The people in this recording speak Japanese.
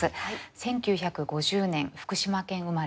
１９５０年福島県生まれ。